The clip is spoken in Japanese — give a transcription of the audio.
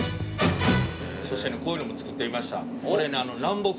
そしてねこういうのも作ってみました。